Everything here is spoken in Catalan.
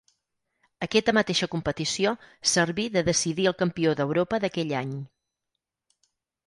Aquesta mateixa competició serví de decidir el campió d'Europa d'aquell any.